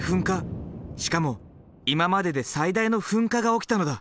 しかも今までで最大の噴火が起きたのだ。